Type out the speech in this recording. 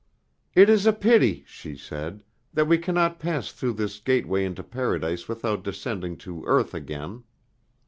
"It is a pity," she said, "that we cannot pass through this gateway into paradise without descending to earth again."